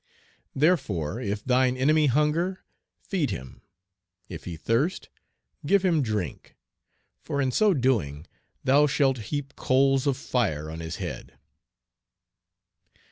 "Therefore if thine enemy hunger, feed him; if he thirst, give him drink; for in so doing thou shalt heap coals of fire on his head."